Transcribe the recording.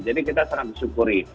jadi kita sangat bersyukuri